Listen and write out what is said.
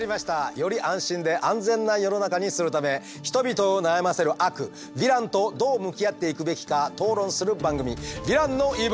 より安心で安全な世の中にするため人々を悩ませる悪ヴィランとどう向き合っていくべきか討論する番組「ヴィランの言い分」。